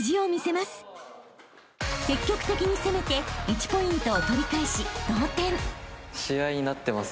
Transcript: ［積極的に攻めて１ポイントを取り返し同点］